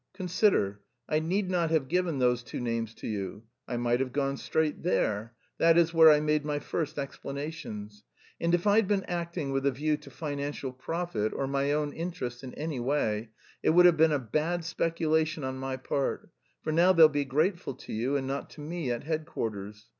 _ Consider: I need not have given those two names to you. I might have gone straight there; that is where I made my first explanations. And if I'd been acting with a view to financial profit or my own interest in any way, it would have been a bad speculation on my part, for now they'll be grateful to you and not to me at headquarters.